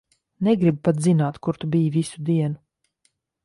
Negribu pat zināt, kur tu biji visu dienu.